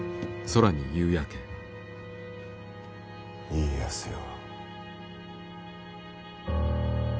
家康よ。